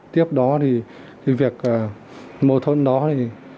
tiếp đó thì việc mâu thuẫn đó thì